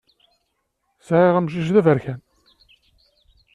Sɛiɣ amcic d aberkan.